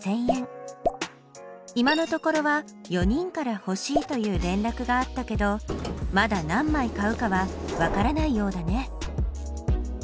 今のところは４人から欲しいという連絡があったけどまだ何枚買うかはわからないようだね。